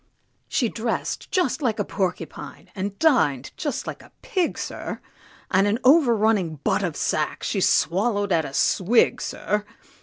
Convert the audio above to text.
She dress'd just like a porcupine, and din'd just like a pig, sir, And an over running butt of sack she swallow'd at a swig, sir!